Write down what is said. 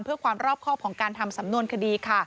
เพื่อความรอบครอบของการทำสำนวนคดีค่ะ